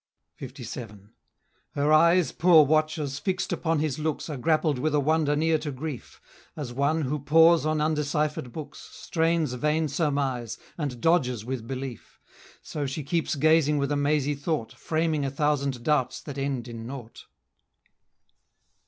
LVII. Her eyes, poor watchers, fix'd upon his looks, Are grappled with a wonder near to grief, As one, who pores on undecipher'd books, Strains vain surmise, and dodges with belief; So she keeps gazing with a mazy thought, Framing a thousand doubts that end in nought.